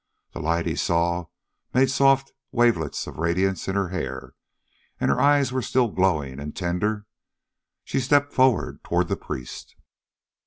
The light, he saw, made soft wavelets of radiance in her hair, and her eyes were still glowing and tender. She stepped forward toward the priest.